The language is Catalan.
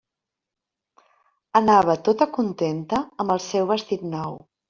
Anava tota contenta amb el seu vestit nou.